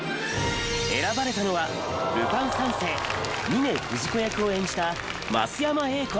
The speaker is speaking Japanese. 選ばれたのは『ルパン三世』峰不二子役を演じた増山江威子。